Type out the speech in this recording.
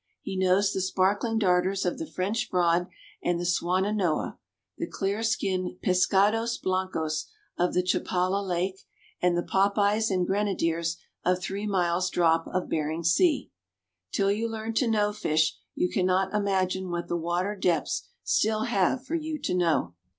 He knows the sparkling darters of the French Broad and the Swannanoa, the clear skinned pescados blancos of the Chapala Lake and the pop eyes and grenadiers of three miles drop of Bering Sea. Till you learn to know fish you cannot imagine what the water depths still have for you to know.